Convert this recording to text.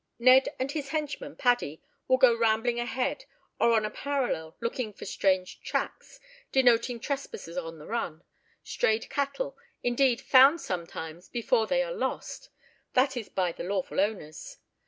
"Ned and his henchman, Paddy, will go rambling ahead or on a parallel, looking for strange tracks, denoting trespassers on the run, strayed cattle, indeed found sometimes before they are lost, that is by the lawful owners.